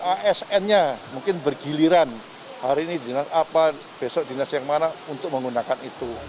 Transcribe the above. asn nya mungkin bergiliran hari ini dengan apa besok dinas yang mana untuk menggunakan itu